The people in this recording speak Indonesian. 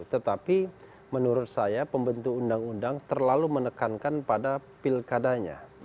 tetapi menurut saya pembentuk undang undang terlalu menekankan pada pilkadanya